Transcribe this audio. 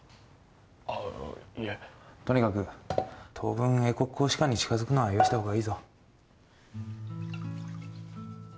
ああいえとにかく当分英国公使館に近づくのはよしたほうがいいぞ